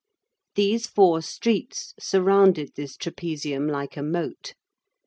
These four streets surrounded this trapezium like a moat.